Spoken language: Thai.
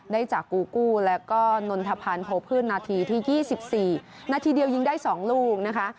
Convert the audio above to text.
ได้จากกูกู้แล้วก็นนทพันธ์โพพืชนาทีที่๒๔นาทีเดียวยิงได้๒ลูกนะคะ